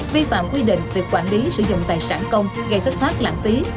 vi phạm quy định về quản lý sử dụng tài sản công gây thất thoát lãng phí